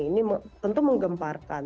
ini tentu menggemparkan